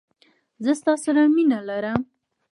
زه ستا سره مینه لرم